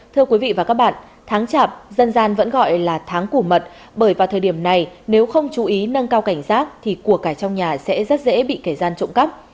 thưa quý vị và các bạn tháng chạp dân gian vẫn gọi là tháng củ mật bởi vào thời điểm này nếu không chú ý nâng cao cảnh giác thì cuộc cải trong nhà sẽ rất dễ bị kẻ gian trộm cắp